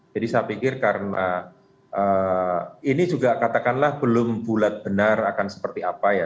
jadi saya pikir karena ini juga katakanlah belum bulat benar akan seperti apa ya